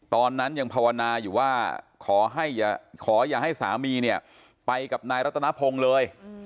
ตอนนั้นยังภาวนาอยู่ว่าขออย่าให้สามีเนี่ยไปกับนายรัตนพงศ์เลย